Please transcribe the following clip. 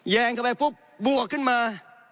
แยงกลับไปฟุกบวกขึ้นมา